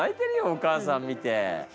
お母さん見て。